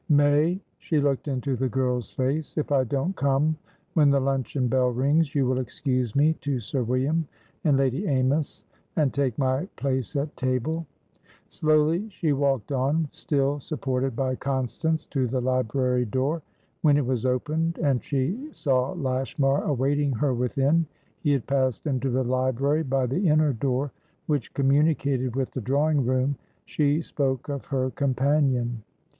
"May"she looked into the girl's face"if I don't come when the luncheon bell rings, you will excuse me to Sir William and Lady Amys, and take my place at table." Slowly she walked on, still supported by Constance, to the library door. When it was opened, and she saw Lashmar awaiting her within (he had passed into the library by the inner door which communicated with the drawing room), she spoke of her companion.